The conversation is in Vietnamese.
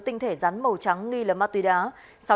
tinh thể rắn màu trắng nghi là ma túy đá